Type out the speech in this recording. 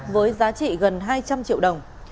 với giá trị gần hai trăm linh triệu đồng